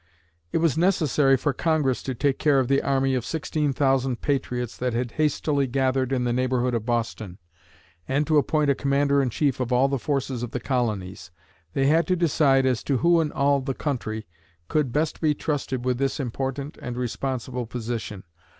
It was necessary for Congress to take care of the army of 16,000 patriots that had hastily gathered in the neighborhood of Boston, and to appoint a Commander in Chief of all the forces of the colonies. They had to decide as to who in all the country, could best be trusted with this important and responsible position.